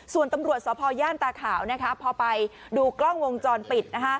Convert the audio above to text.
ส่วนตำรวจสพย่านตาขาวพอไปดูกล้องวงจรปิด